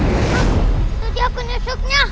itu dia penyusupnya